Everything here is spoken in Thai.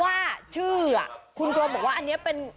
ว่าชื่อคุณกรบอกว่าอันนี้เป็น